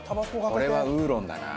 これはウーロンだな。